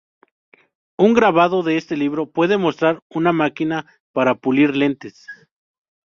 Un grabado de este libro puede mostrar una máquina para pulir lentes.